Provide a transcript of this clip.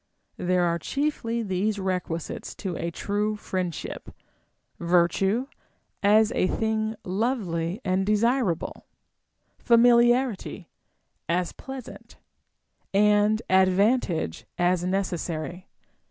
There are chiefly these requisites to a true friendship : virtue, as a thing lovely and desirable ; famiharity, as pleas ant ; and advantage, as necessary.